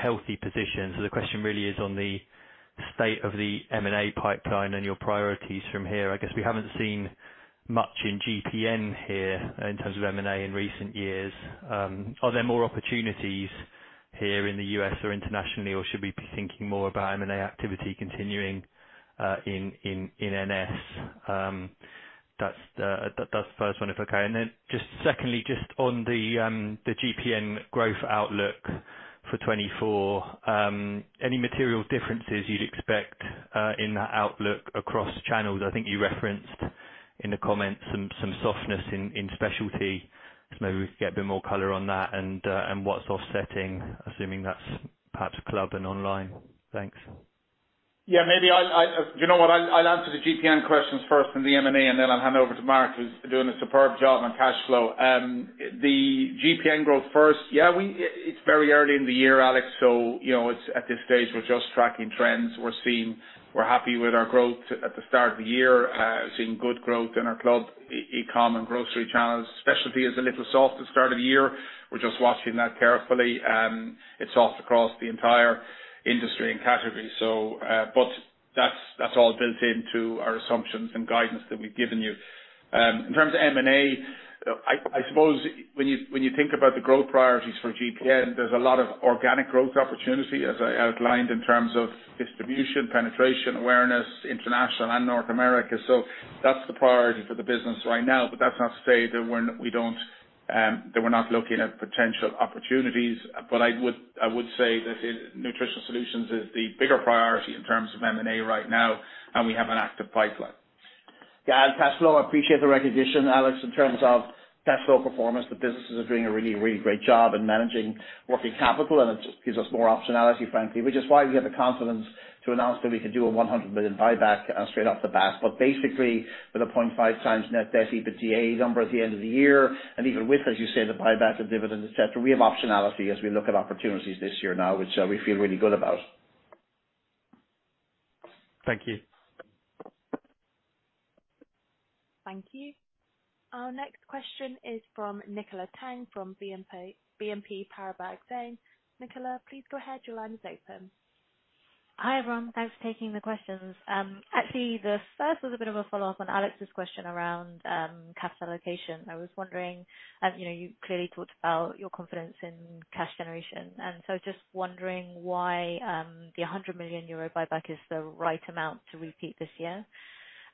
[SPEAKER 6] healthy position. So the question really is on the state of the M&A pipeline and your priorities from here. I guess we haven't seen much in GPN here in terms of M&A in recent years. Are there more opportunities here in the U.S. or internationally, or should we be thinking more about M&A activity continuing in NS? That's the first one, if okay. And then just secondly, just on the GPN growth outlook for 2024, any material differences you'd expect in that outlook across channels? I think you referenced in the comments some softness in specialty. Maybe we could get a bit more color on that and what's offsetting, assuming that's perhaps club and online. Thanks.
[SPEAKER 2] Yeah, maybe I do, you know what? I'll answer the GPN questions first and the M&A, and then I'll hand over to Mark who's doing a superb job on cash flow. The GPN growth first, yeah, it's very early in the year, Alex, so at this stage, we're just tracking trends. We're happy with our growth at the start of the year. We're seeing good growth in our club, e-com, and grocery channels. Specialty is a little soft at the start of the year. We're just watching that carefully. It's soft across the entire industry and category, but that's all built into our assumptions and guidance that we've given you. In terms of M&A, I suppose when you think about the growth priorities for GPN, there's a lot of organic growth opportunity, as I outlined, in terms of distribution, penetration, awareness, international and North America. That's the priority for the business right now. That's not to say that we're not looking at potential opportunities. I would say that Nutritional Solutions is the bigger priority in terms of M&A right now, and we have an active pipeline.
[SPEAKER 3] Yeah, and cash flow. I appreciate the recognition, Alex, in terms of cash flow performance. The businesses are doing a really, really great job in managing working capital, and it just gives us more optionality, frankly, which is why we have the confidence to announce that we can do a 100 million buyback straight off the bat. But basically, with a 0.5 times net debt EBITDA number at the end of the year, and even with, as you say, the buyback and dividend, etc., we have optionality as we look at opportunities this year now, which we feel really good about.
[SPEAKER 6] Thank you.
[SPEAKER 1] Thank you. Our next question is from Nicola Tang from BNP Paribas Exane, Nicola, please go ahead. Your line is open.
[SPEAKER 7] Hi everyone. Thanks for taking the questions. Actually, the first was a bit of a follow-up on Alex's question around cash allocation. I was wondering you clearly talked about your confidence in cash generation, and so just wondering why the 100 million euro buyback is the right amount to repeat this year.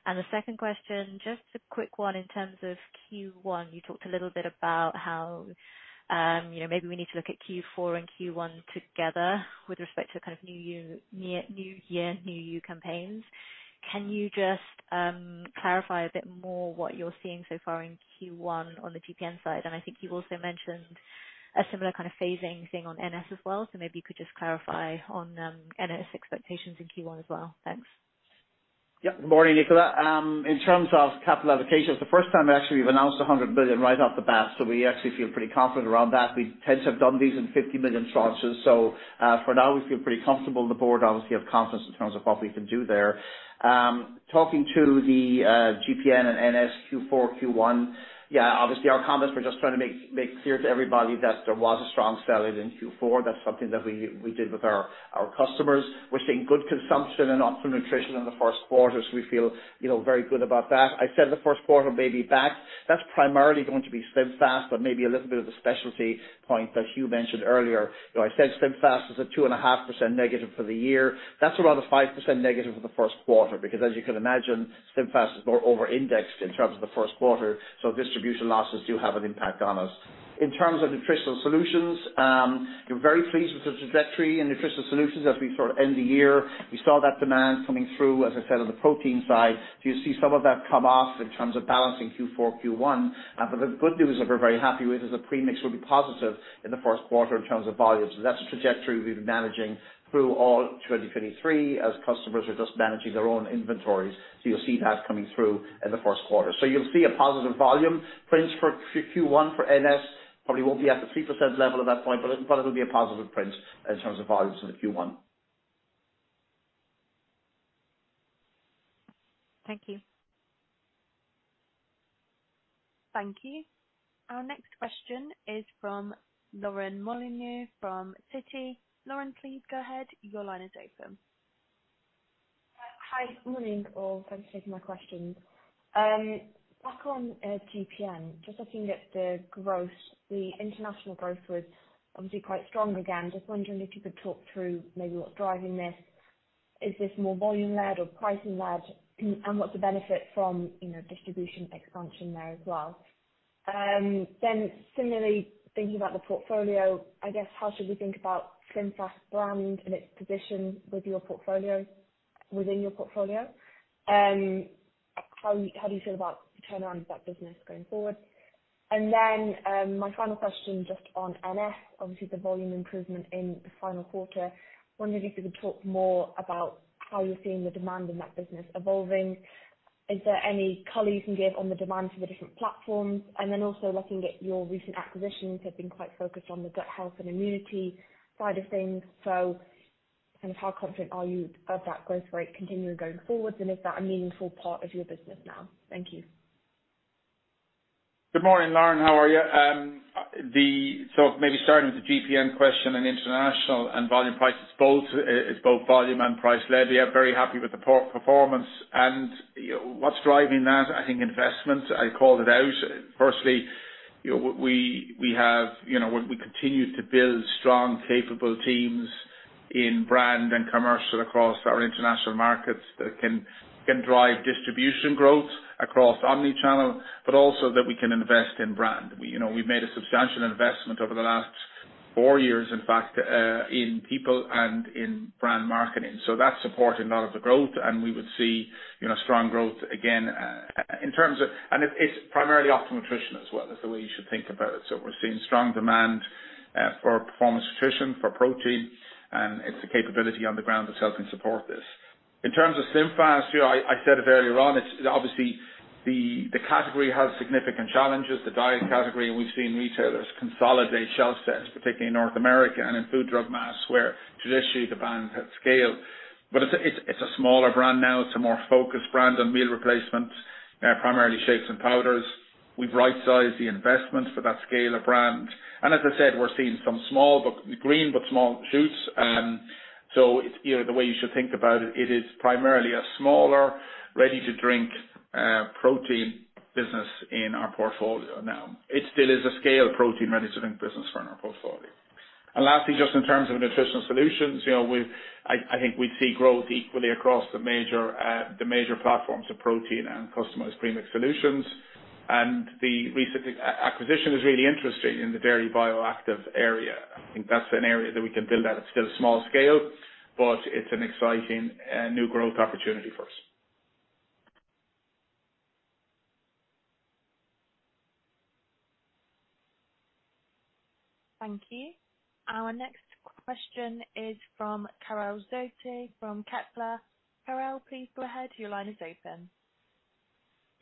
[SPEAKER 7] And the second question, just a quick one, in terms of Q1, you talked a little bit about how maybe we need to look at Q4 and Q1 together with respect to kind of New Year, New You campaigns. Can you just clarify a bit more what you're seeing so far in Q1 on the GPN side? And I think you also mentioned a similar kind of phasing thing on NS as well. So maybe you could just clarify on NS expectations in Q1 as well. Thanks.
[SPEAKER 3] Yeah, good morning, Nicola. In terms of capital allocation, it's the first time actually we've announced 100 million right off the bat. So we actually feel pretty confident around that. We tend to have done these in 50 million tranches. So for now, we feel pretty comfortable. The board obviously have confidence in terms of what we can do there. Talking to the GPN and NS Q4, Q1, yeah, obviously, our comments, we're just trying to make clear to everybody that there was a strong sell-in in Q4. That's something that we did with our customers. We're seeing good consumption and Optimum Nutrition in the first quarter, so we feel very good about that. I said the first quarter may be back. That's primarily going to be SlimFast, but maybe a little bit of the specialty protein that Hugh mentioned earlier. I said SlimFast is a 2.5% negative for the year. That's around a 5% negative for the first quarter because, as you can imagine, SlimFast is more over-indexed in terms of the first quarter. So distribution losses do have an impact on us. In terms of Nutritional Solutions, we're very pleased with the trajectory in Nutritional Solutions as we sort of end the year. We saw that demand coming through, as I said, on the protein side. So you see some of that come off in terms of balancing Q4, Q1. But the good news that we're very happy with is the premix will be positive in the first quarter in terms of volumes. So that's a trajectory we've been managing through all 2023 as customers are just managing their own inventories. So you'll see that coming through in the first quarter. You'll see a positive volume print for Q1 for NS. Probably won't be at the 3% level at that point, but it'll be a positive print in terms of volumes in the Q1.
[SPEAKER 7] Thank you.
[SPEAKER 1] Thank you. Our next question is from Lauren Molineux from Citi. Lauren, please go ahead. Your line is open.
[SPEAKER 8] Hi, good morning all. Thanks for taking my questions. Back on GPN, just looking at the growth, the international growth was obviously quite strong again. Just wondering if you could talk through maybe what's driving this. Is this more volume-led or pricing-led, and what's the benefit from distribution expansion there as well? Then similarly, thinking about the portfolio, I guess how should we think about SlimFast brand and its position within your portfolio? How do you feel about the turnaround of that business going forward? And then my final question just on NS, obviously, the volume improvement in the final quarter. Wondering if you could talk more about how you're seeing the demand in that business evolving. Is there any color you can give on the demand for the different platforms? And then also looking at your recent acquisitions, they've been quite focused on the gut health and immunity side of things. So kind of how confident are you of that growth rate continuing going forward, and is that a meaningful part of your business now? Thank you.
[SPEAKER 2] Good morning, Lauren. How are you? So maybe starting with the GPN question and international and volume prices, both volume- and price-led. We are very happy with the performance. What's driving that? I think investment. I called it out. Firstly, we continue to build strong, capable teams in brand and commercial across our international markets that can drive distribution growth across omnichannel, but also that we can invest in brand. We've made a substantial investment over the last four years, in fact, in people and in brand marketing. So that's supporting a lot of the growth, and we would see strong growth again in terms of and it's primarily Optimum Nutrition as well is the way you should think about it. So we're seeing strong demand for performance nutrition, for protein, and it's the capability on the ground that's helping support this. In terms of SlimFast, I said it earlier on, obviously, the category has significant challenges, the diet category, and we've seen retailers consolidate shelf sets, particularly in North America and in Food, Drug, Mass where traditionally the brand had scale. But it's a smaller brand now. It's a more focused brand on meal replacements, primarily shakes and powders. We've right-sized the investment for that scale of brand. And as I said, we're seeing some green but small shoots. So the way you should think about it, it is primarily a smaller ready-to-drink protein business in our portfolio now. It still is a scale protein ready-to-drink business for our portfolio. And lastly, just in terms of nutritional solutions, I think we'd see growth equally across the major platforms of protein and customized premix solutions. And the recent acquisition is really interesting in the dairy bioactive area. I think that's an area that we can build at. It's still a small scale, but it's an exciting new growth opportunity for us.
[SPEAKER 1] Thank you. Our next question is from Karel Zoete from Kepler Cheuvreux. Karel, please go ahead. Your line is open.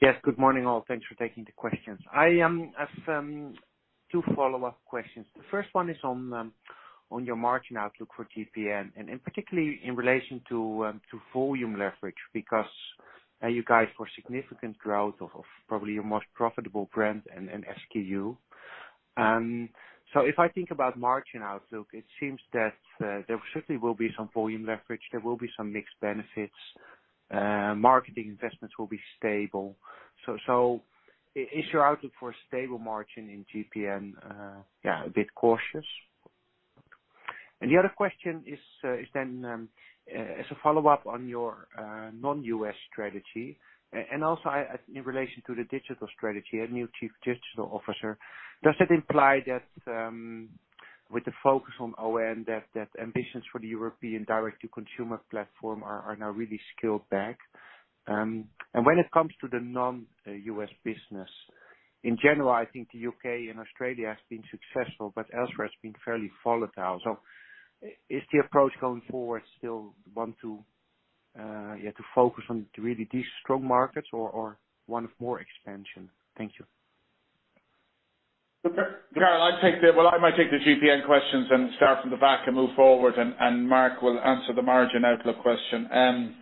[SPEAKER 9] Yes, good morning all. Thanks for taking the questions. I have two follow-up questions. The first one is on your margin outlook for GPN and particularly in relation to volume leverage because you guide for significant growth of probably your most profitable brand and SKU. So if I think about margin outlook, it seems that there certainly will be some volume leverage. There will be some mixed benefits. Marketing investments will be stable. So is your outlook for a stable margin in GPN, yeah, a bit cautious? And the other question is then as a follow-up on your non-U.S. strategy and also in relation to the digital strategy, a new Chief Digital Officer, does it imply that with the focus on ON, that ambitions for the European direct-to-consumer platform are now really scaled back? When it comes to the non-U.S. business, in general, I think the U.K. and Australia have been successful, but elsewhere, it's been fairly volatile. Is the approach going forward still want to, yeah, to focus on really these strong markets or want more expansion? Thank you.
[SPEAKER 2] Karel, I'd take that. Well, I might take the GPN questions and start from the back and move forward, and Mark will answer the margin outlook question.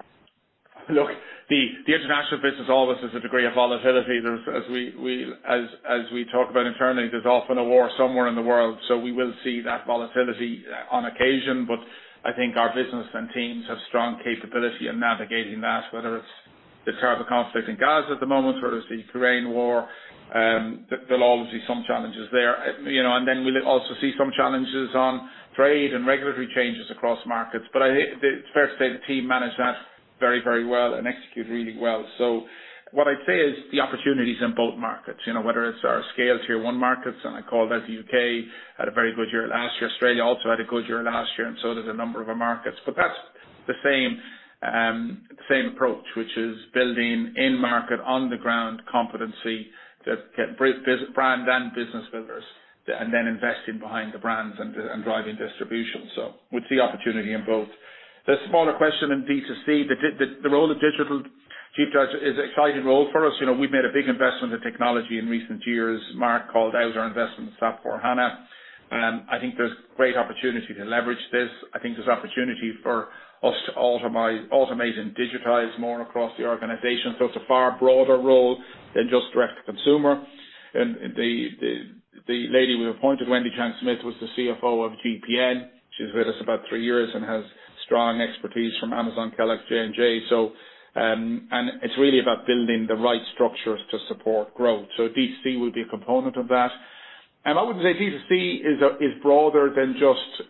[SPEAKER 2] Look, the international business always has a degree of volatility. As we talk about internally, there's often a war somewhere in the world. So we will see that volatility on occasion, but I think our business and teams have strong capability in navigating that, whether it's the terrible conflict in Gaza at the moment or it's the Ukraine war. There'll always be some challenges there. And then we'll also see some challenges on trade and regulatory changes across markets. But it's fair to say the team managed that very, very well and executed really well. So what I'd say is the opportunities in both markets, whether it's our scale tier one markets, and I'd call out that the U.K. had a very good year last year. Australia also had a good year last year, and so did a number of our markets. But that's the same approach, which is building in-market, on-the-ground competency that brand and business builders and then investing behind the brands and driving distribution. So we'd see opportunity in both. The second question in B2C, the role of the Chief Digital Officer is an exciting role for us. We've made a big investment in technology in recent years. Mark called out our investment in SAP S/4HANA. I think there's great opportunity to leverage this. I think there's opportunity for us to automate and digitize more across the organization. So it's a far broader role than just direct-to-consumer. The lady we appointed, Wendy Chang Smith, was the CFO of GPN. She's with us about three years and has strong expertise from Amazon, Kellogg, J&J. It's really about building the right structures to support growth. D2C will be a component of that. I wouldn't say D2C is broader than just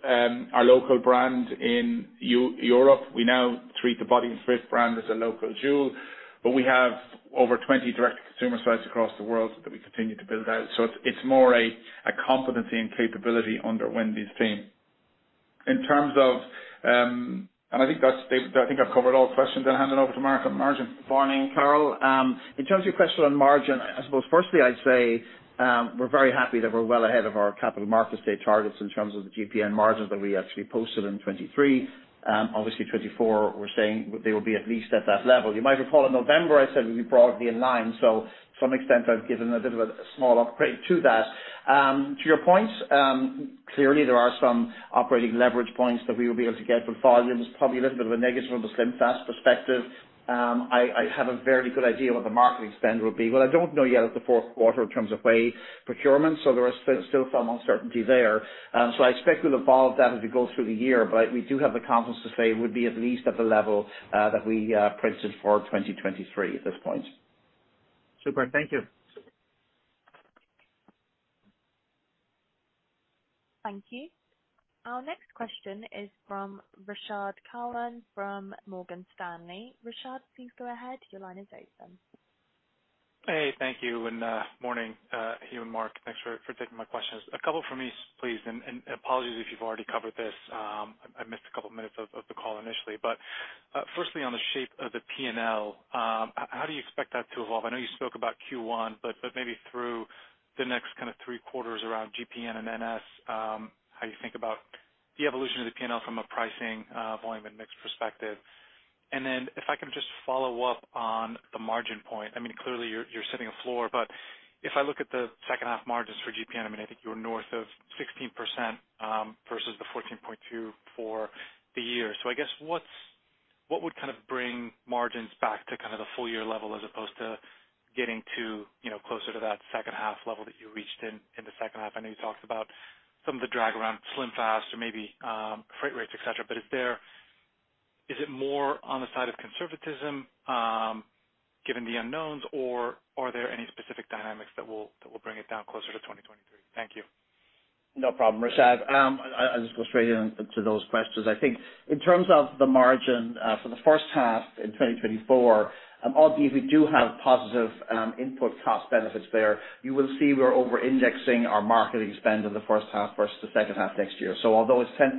[SPEAKER 2] our local brand in Europe. We now treat the Body&Fit brand as a local jewel, but we have over 20 direct-to-consumer sites across the world that we continue to build out. It's more a competency and capability under Wendy's team. In terms of, and I think I've covered all questions. I'll hand it over to Mark on margin.
[SPEAKER 3] Good morning, Karel. In terms of your question on margin, I suppose firstly, I'd say we're very happy that we're well ahead of our Capital Markets Day targets in terms of the GPN margins that we actually posted in 2023. Obviously, 2024, we're saying they will be at least at that level. You might recall in November, I said we'd be broadly in line. So to some extent, I've given a bit of a small upgrade to that. To your point, clearly, there are some operating leverage points that we will be able to get, but volume is probably a little bit of a negative from the SlimFast perspective. I have a very good idea what the marketing spend will be, but I don't know yet at the fourth quarter in terms of whey procurement. So there is still some uncertainty there. So I expect we'll evolve that as we go through the year, but we do have the confidence to say it would be at least at the level that we printed for 2023 at this point.
[SPEAKER 9] Super. Thank you.
[SPEAKER 1] Thank you. Our next question is from Rashad Kawan from Morgan Stanley. Rashad, please go ahead. Your line is open then.
[SPEAKER 10] Hey, thank you. Good morning, Hugh and Mark. Thanks for taking my questions. A couple from me, please. Apologies if you've already covered this. I missed a couple of minutes of the call initially. Firstly, on the shape of the P&L, how do you expect that to evolve? I know you spoke about Q1, but maybe through the next kind of three quarters around GPN and NS, how you think about the evolution of the P&L from a pricing, volume, and mix perspective. Then if I can just follow up on the margin point. I mean, clearly, you're setting a floor, but if I look at the second-half margins for GPN, I mean, I think you were north of 16% versus the 14.2% for the year. So I guess what would kind of bring margins back to kind of the full-year level as opposed to getting closer to that second-half level that you reached in the second-half? I know you talked about some of the drag around SlimFast or maybe freight rates, etc. But is it more on the side of conservatism given the unknowns, or are there any specific dynamics that will bring it down closer to 2023? Thank you.
[SPEAKER 3] No problem, Rashad. I'll just go straight into those questions. I think in terms of the margin for the first half in 2024, obviously, we do have positive input cost benefits there. You will see we're over-indexing our marketing spend in the first half versus the second half next year. So although it's 10%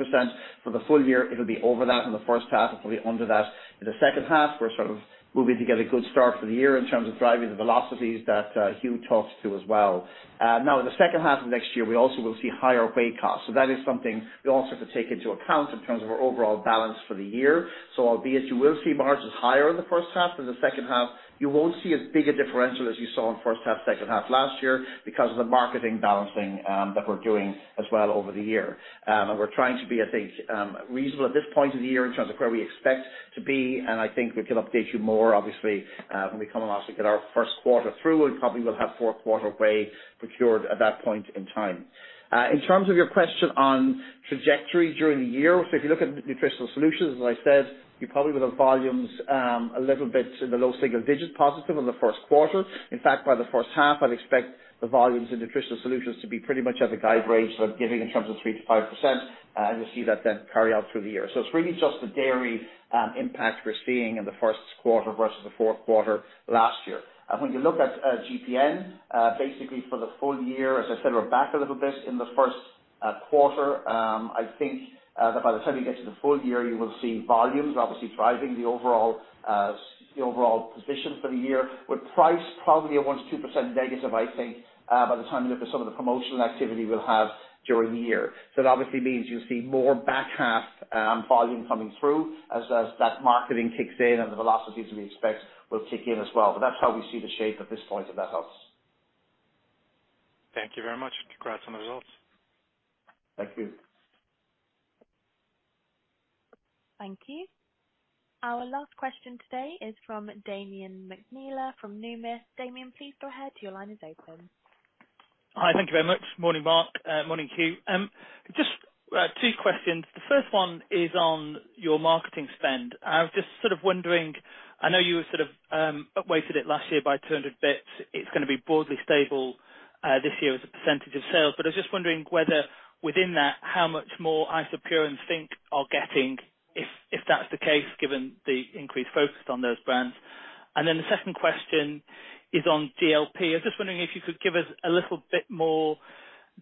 [SPEAKER 3] for the full year, it'll be over that in the first half. It'll be under that in the second half. We're sort of moving to get a good start for the year in terms of driving the velocities that Hugh talked to as well. Now, in the second half of next year, we also will see higher whey costs. So that is something we also have to take into account in terms of our overall balance for the year. So, albeit you will see margins higher in the first half, in the second half, you won't see as big a differential as you saw in first half, second half last year because of the marketing balancing that we're doing as well over the year. And we're trying to be, I think, reasonable at this point of the year in terms of where we expect to be. And I think we can update you more, obviously, when we come and also get our first quarter through. We probably will have fourth quarter whey procured at that point in time. In terms of your question on trajectory during the year, so if you look at Nutritional Solutions, as I said, you probably will have volumes a little bit in the low single digit positive in the first quarter. In fact, by the first half, I'd expect the volumes in Nutritional Solutions to be pretty much at the guide range that I'm giving in terms of 3%-5%. You'll see that then carry out through the year. So it's really just the dairy impact we're seeing in the first quarter versus the fourth quarter last year. When you look at GPN, basically, for the full year, as I said, we're back a little bit in the first quarter. I think that by the time you get to the full year, you will see volumes obviously driving the overall position for the year with price probably a 1%-2% negative, I think, by the time you look at some of the promotional activity we'll have during the year. That obviously means you'll see more back half volume coming through as that marketing kicks in and the velocities we expect will kick in as well. That's how we see the shape at this point, if that helps?
[SPEAKER 10] Thank you very much. Congrats on the results.
[SPEAKER 2] Thank you.
[SPEAKER 1] Thank you. Our last question today is from Damian McNeela from Numis. Damian, please go ahead. Your line is open.
[SPEAKER 11] Hi, thank you very much. Morning, Mark. Morning, Hugh. Just two questions. The first one is on your marketing spend. I was just sort of wondering. I know you sort of upweighted it last year by 200 basis points. It's going to be broadly stable this year as a percentage of sales. But I was just wondering whether within that, how much more Isopure and think! are getting if that's the case given the increased focus on those brands. And then the second question is on GLP. I was just wondering if you could give us a little bit more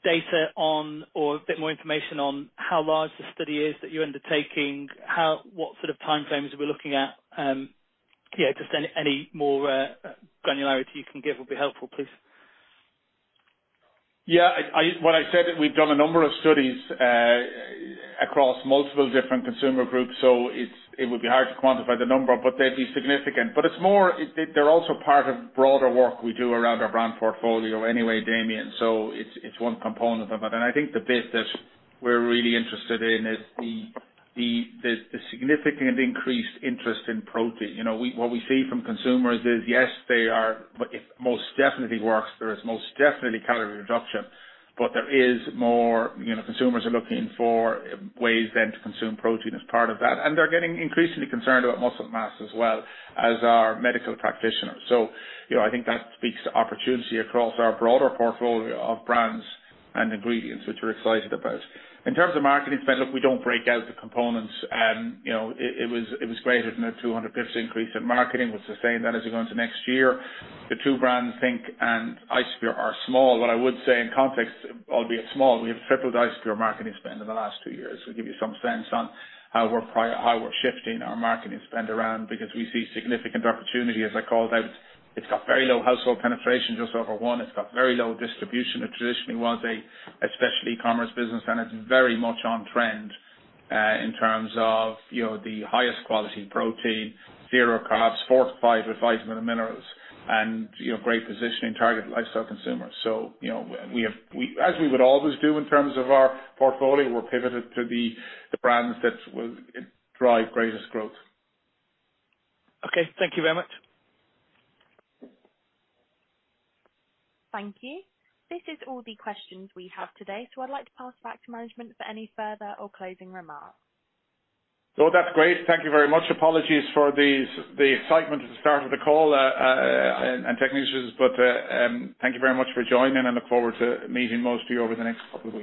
[SPEAKER 11] data on or a bit more information on how large the study is that you're undertaking, what sort of timeframes are we looking at? Yeah, just any more granularity you can give would be helpful, please.
[SPEAKER 2] Yeah. When I said that we've done a number of studies across multiple different consumer groups, so it would be hard to quantify the number, but they'd be significant. But they're also part of broader work we do around our brand portfolio anyway, Damian. So it's one component of it. And I think the bit that we're really interested in is the significant increased interest in protein. What we see from consumers is, yes, they are. It most definitely works. There is most definitely calorie reduction, but there is more consumers are looking for ways then to consume protein as part of that. And they're getting increasingly concerned about muscle mass as well as our medical practitioners. So I think that speaks to opportunity across our broader portfolio of brands and ingredients, which we're excited about. In terms of marketing spend, look, we don't break out the components. It was greater than a 250% increase in marketing. We'll sustain that as we go into next year. The two brands, think! and Isopure, are small. What I would say in context, albeit small, we have tripled Isopure marketing spend in the last two years. We'll give you some sense on how we're shifting our marketing spend around because we see significant opportunity. As I called out, it's got very low household penetration, just over 1%. It's got very low distribution. It traditionally was a special e-commerce business, and it's very much on trend in terms of the highest quality protein, zero carbs, fortified with vitamins and minerals, and great positioning targeted lifestyle consumers. So as we would always do in terms of our portfolio, we're pivoted to the brands that drive greatest growth.
[SPEAKER 11] Okay. Thank you very much.
[SPEAKER 1] Thank you. This is all the questions we have today. So I'd like to pass back to management for any further or closing remarks.
[SPEAKER 2] Oh, that's great. Thank you very much. Apologies for the excitement at the start of the call and technicians, but thank you very much for joining, and look forward to meeting most of you over the next couple of weeks.